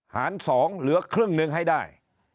หาร๒เหลือครึ่งหนึ่งให้ได้